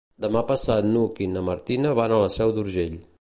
Demà passat n'Hug i na Martina van a la Seu d'Urgell.